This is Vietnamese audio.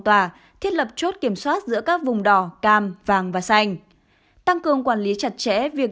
tòa thiết lập chốt kiểm soát giữa các vùng đỏ cam vàng và xanh tăng cường quản lý chặt chẽ việc